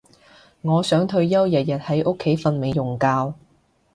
我想退休日日喺屋企瞓美容覺